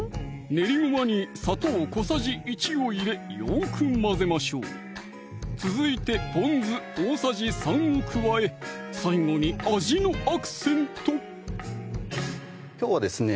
練りごまに砂糖小さじ１を入れよく混ぜましょう続いてぽん酢大さじ３を加え最後に味のアクセントきょうはですね